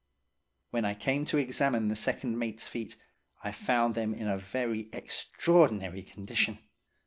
"When I came to examine the second mate's feet, I found them in a very extraordinary condition.